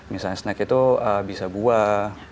misalnya snack itu bisa buah